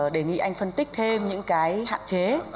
đề nghị anh phân tích thêm những cái hạn chế